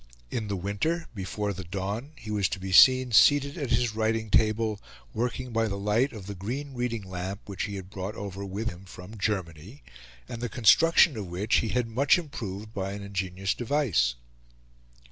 In the winter, before the dawn, he was to be seen, seated at his writing table, working by the light of the green reading lamp which he had brought over with him from Germany, and the construction of which he had much improved by an ingenious device.